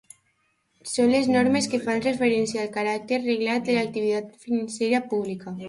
Són les normes que fan referència al caràcter reglat de l'activitat financera pública.